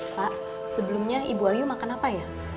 pak sebelumnya ibu ayu makan apa ya